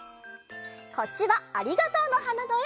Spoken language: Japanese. こっちは「ありがとうの花」のえ！